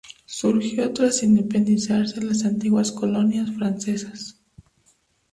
Surgió tras independizarse las antiguas colonias francesas.